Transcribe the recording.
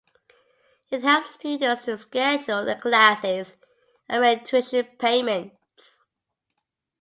It helps students to schedule their classes and make tuition payments.